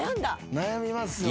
悩みますよね。